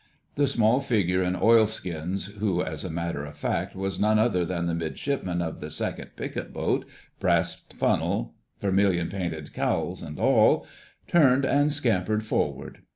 The small figure in oilskins—who, as a matter of fact, was none other than the Midshipman of the Second Picket Boat, brass funnel, vermilion painted cowls and all—turned and scampered forward.